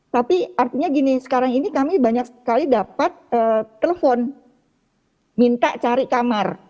tapi artinya gini sekarang ini kami banyak sekali dapat telepon minta cari kamar